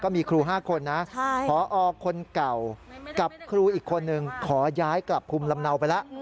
มีครู๕คนนะพอคนเก่ากับครูอีกคนนึงขอย้ายกลับภูมิลำเนาไปแล้ว